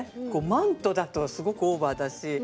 マントだとすごくオーバーだし。